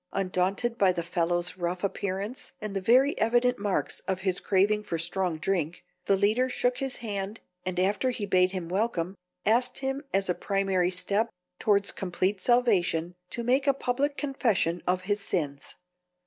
Undaunted by the fellow's rough appearance and the very evident marks of his craving for strong drink, the leader shook his hand and after he bade him welcome asked him as a primary step towards complete salvation to make a public confession of his sins.